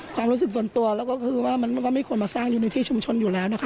ความรู้สึกส่วนตัวแล้วก็คือว่ามันก็ไม่ควรมาสร้างอยู่ในที่ชุมชนอยู่แล้วนะคะ